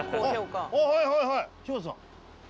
あっはいはいはい柴田さん。